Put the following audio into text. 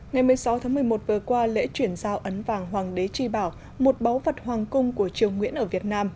ngày một mươi sáu tháng một mươi một vừa qua lễ chuyển giao ấn vàng hoàng đế tri bảo một báu vật hoàng cung của triều nguyễn ở việt nam